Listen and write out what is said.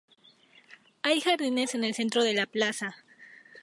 Hay jardines en el centro de la plaza.